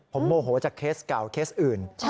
ผมโมโหจากเคสเก่าเคสอื่น